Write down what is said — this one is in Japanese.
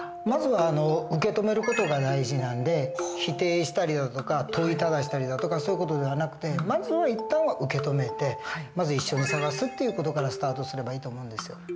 まずは受け止める事が大事なんで否定したりだとか問いただしたりだとかそういう事ではなくてまずは一旦は受け止めてまず一緒に捜すという事からスタートすればいいと思うんですよ。